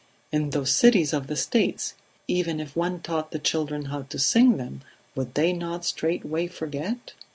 In those cities of the States, even if one taught the children how to sing them would they not straightway forget!